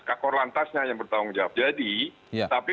kakor lantasnya yang bertanggung jawab